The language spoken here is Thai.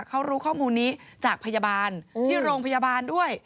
เขารู้ข้อมูลนี้จากพยาบาลที่โรงพยาบาลด้วย